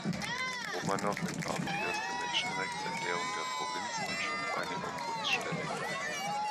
Romanow entwarf die erste Menschenrechtserklärung der Provinz und schuf eine Ombudsstelle.